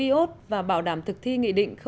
iot và bảo đảm thực thi nghị định